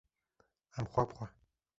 Em xwe bi xwe